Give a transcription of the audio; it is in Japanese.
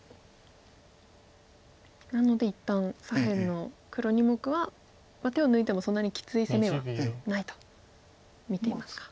なので一旦左辺の黒２目は手を抜いてもそんなにきつい攻めはないと見てますか。